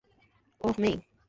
ওহ, মেই।